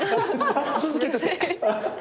続けてて！